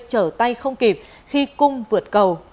trở tay không kịp khi cung vượt cầu